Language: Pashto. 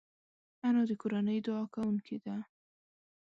انا د کورنۍ دعا کوونکې ده